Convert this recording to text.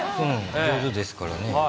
上手ですからね。